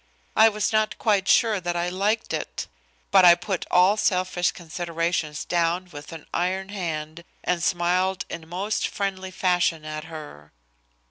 I was not quite sure that I liked it. But I put all selfish considerations down with an iron hand and smiled in most friendly fashion at her.